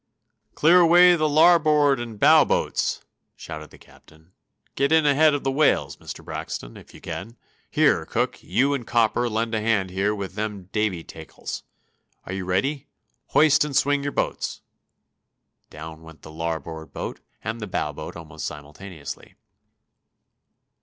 "Clear away the larboard and bow boats!" shouted the captain. "Get in ahead of the whales, Mr. Braxton, if you can. Here, cook, you and cooper lend a hand there with them davy taycles. Are you ready? Hoist and swing your boats." Down went the larboard boat and the bow boat almost simultaneously.